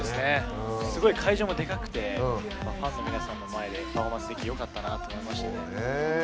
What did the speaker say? すごい会場もでかくてファンの皆さんの前でパフォーマンスできてよかったなと思いました。